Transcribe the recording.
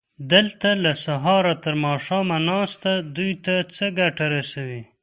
دلته له سهاره تر ماښامه ناسته دوی ته څه ګټه رسوي؟